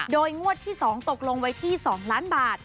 โดยงวดที่๒ตกลงไว้ที่๒ล้านบาท